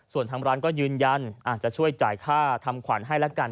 ส่วนทางร้านก็ยืนยันอาจจะช่วยจ่ายค่าทำขวัญให้ละกัน